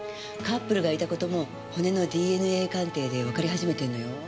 カップルがいた事も骨のＤＮＡ鑑定でわかり始めてるのよ。